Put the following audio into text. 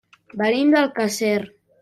Venim d'Alcàsser.